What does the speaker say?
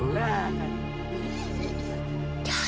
dasar di utang